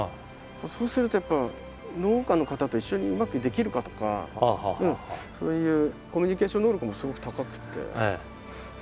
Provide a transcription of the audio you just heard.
そうするとやっぱ農家の方と一緒にうまくできるかとかそういうコミュニケーション能力もすごく高くて。